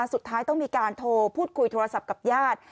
สุดท้ายต้องมีการโทรพูดคุยโทรศัพท์กับญาติ